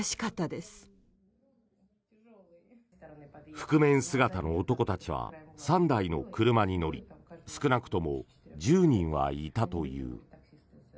覆面姿の男たちは３台の車に乗り少なくとも１０人はいたという。